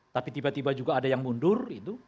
tapi tiba tiba juga ada yang mundur